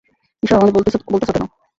এইসব আমাদের বলতাছো কেন?